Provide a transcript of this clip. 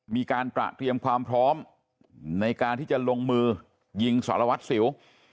มีการตระเตรียมความพร้อมในการที่จะลงมือยิงสารวัตรสิว